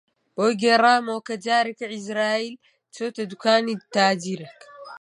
بۆی گێڕامەوە کە جارێک عیزراییل چۆتە دووکانی تاجرێک